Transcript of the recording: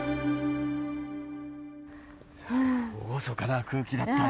厳かな空気だったよね。